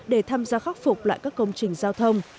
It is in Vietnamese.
để tham gia khắc phục lại các công trình giao thông